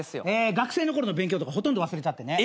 学生のころの勉強とかほとんど忘れちゃってね。